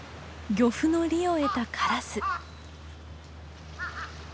漁夫の利を得たカラス。